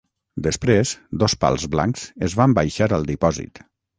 Després, dos pals blancs es van baixar al dipòsit.